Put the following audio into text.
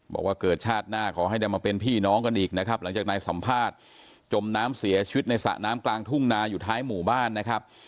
บอกว่าเกิดชาติหน้าขอให้ได้มาเป็นพี่น้องกันอีกนะครับหลังจากนายสัมภาษณ์จมน้ำเสียชีวิตในสระน้ำกลางทุ่งนาอยู่ท้ายหมู่บ้านนะครับ